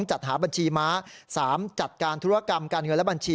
จัดหาบัญชีม้า๓จัดการธุรกรรมการเงินและบัญชี